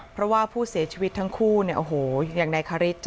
เพราะว่าผู้เสียชีวิตทั้งคู่เนี่ยโอ้โหอย่างนายคาริส